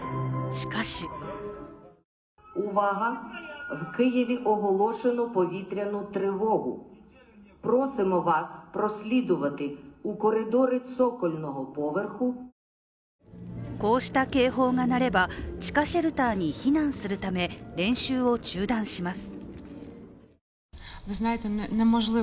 しかしこうした警報が鳴れば地下シェルターに避難するため練習を中断します。